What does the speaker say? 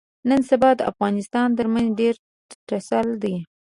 نن سبا د افغانانو ترمنځ ډېر ټسل دی.